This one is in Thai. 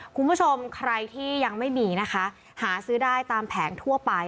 คุณผู้ชมใครที่ยังไม่มีนะคะหาซื้อได้ตามแผงทั่วไป